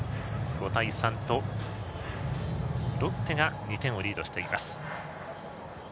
５対３とロッテが２点をリードしています。